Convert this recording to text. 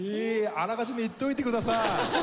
あらかじめ言っておいてください。